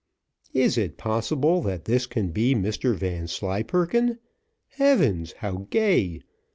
Is it possible that this can be Mr Vanslyperken? Heavens, how gay!